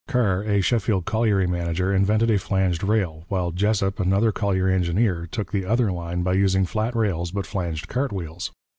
Carr, a Sheffield colliery manager, invented a flanged rail, while Jessop, another colliery engineer, took the other line by using flat rails but flanged cart wheels.